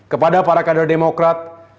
kepada para kader demokrat